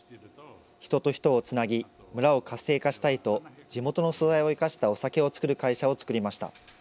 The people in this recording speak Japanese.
人と人をつなぎ、村を活性化したいと、地元の素材を生かしたお酒を造る会社を作りました。